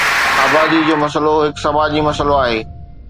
آبادي جو مسئلو هڪ سماجي مسئلو آهي